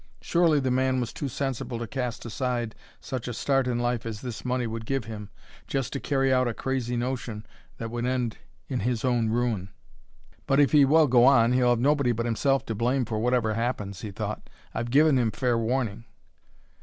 Surely the man was too sensible to cast aside such a start in life as this money would give him, just to carry out a crazy notion that would end in his own ruin. "But if he will go on, he'll have nobody but himself to blame for whatever happens," he thought. "I've given him fair warning."